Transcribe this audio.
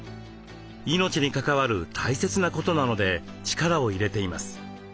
命に関わる大切なことなので力を入れています。